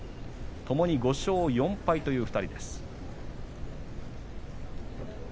ともに５勝４敗の２人です。